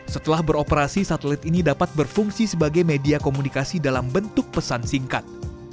setelah beroperasi satelit ini dapat berfungsi sebagai media komunikasi dalam bentuk pesan singkat